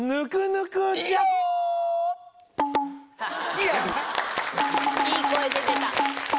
いい声出てた。